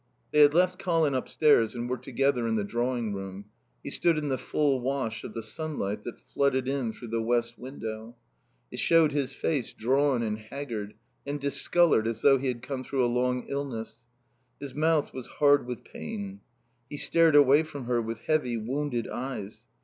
They had left Colin upstairs and were together in the drawing room. He stood in the full wash of the sunlight that flooded in through the west window. It showed his face drawn and haggard, and discoloured, as though he had come through a long illness. His mouth was hard with pain. He stared away from her with heavy, wounded eyes.